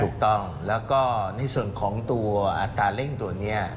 ถูกต้องแล้วก็ในส่วนของตัวอัตราเร่งตัวนี้